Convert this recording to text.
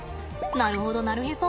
なるほどなるへそ！